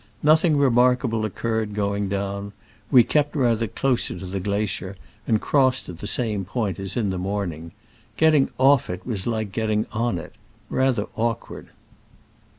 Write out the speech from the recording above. Nothing remarkable occurred going down. We kept rather closer to the glacier, and crossed at the same point as in the morning. Getting off it was like getting on it — rather awkward.